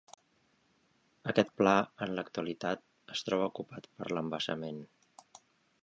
Aquest pla en l'actualitat es troba ocupat per l'embassament.